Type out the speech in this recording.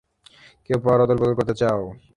কেউ পাওয়ার অদল-বদল করতে চাও?